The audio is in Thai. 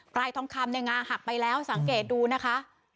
ลายทองคำเนี่ยงาหักไปแล้วสังเกตดูนะคะ